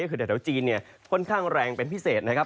ก็คือใต้ฝุ่นข้างแรงเป็นพิเศษนะครับ